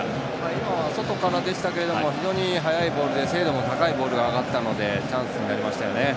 今は外からでしたけど非常に速いボールで精度も高いボールが上がったのでチャンスになりましたね。